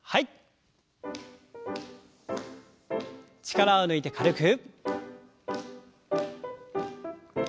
力を抜いて軽く。